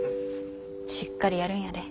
しっかりやるんやで。